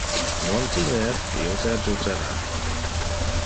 Non timer, io te adjutara!